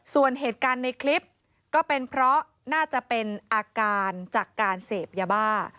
ส่วนเหตุการณ์ในคลิปก็เป็นเพราะน่าจะเป็นอาการจากการเสพยาบ้า